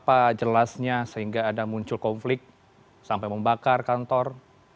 apa jelasnya sehingga ada muncul konflik sampai membakar kantor